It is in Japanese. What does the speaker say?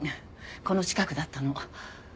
この近くだったの。